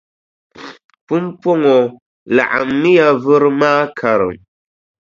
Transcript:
Pumpɔŋɔ laɣimmiya vuri maa karim.